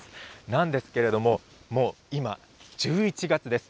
なんですけれども、もう今、１１月です。